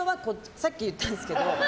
さっき言ったんですけど。